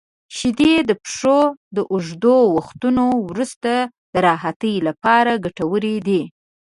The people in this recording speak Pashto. • شیدې د پښو د اوږدو وختونو وروسته د راحتۍ لپاره ګټورې دي.